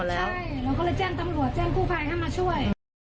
ใช่เราก็แจ้งตำรวจแจ้งผู้ภายค่ะมาช่วย